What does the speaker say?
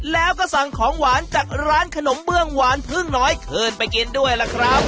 แล้วก็สั่งของหวานจากร้านขนมเบื้องหวานพึ่งน้อยคืนไปกินด้วยล่ะครับ